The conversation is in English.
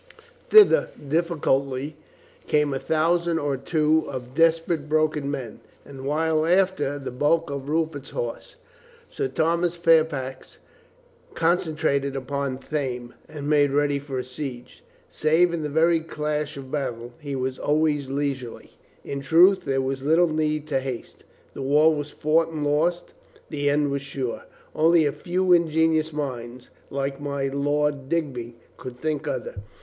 Thither, difficultly, came a thousand or two of desperate, broken men, and a while after, the bulk of Rupert's horse. Sir Thomas Fairfax concentrated upon Thame, and made ready for a siege. Save in the very clash of battle, he was always leisurely. In truth there was little need of haste. The war was fought and lost. The end was sure. Only a few ingenious minds, like my Lord Digby, could think other.